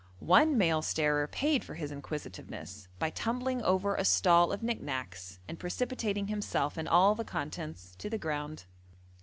One male starer paid for his inquisitiveness, by tumbling over a stall of knick knacks, and precipitating himself and all the contents to the ground.